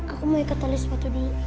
aku mau ikut tali sepatu di